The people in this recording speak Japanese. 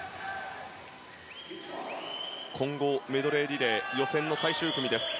混合メドレーリレー予選最終組です。